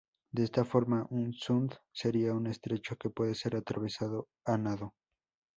De esta forma un "sund" sería un estrecho que puede ser atravesado a nado.